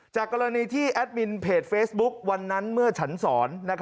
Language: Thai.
จากกรณีที่แอดมินเพจเฟซบุ๊กวันนั้นเมื่อฉันสอน